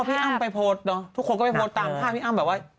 พี่อ้ำไปโพสต์เนอะทุกคนก็ไปโพสต์ตามภาพพี่อ้ำแบบว่า